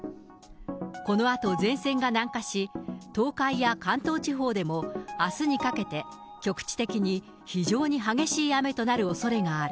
このあと前線が南下し、東海や関東地方でもあすにかけて、局地的に非常に激しい雨となるおそれがある。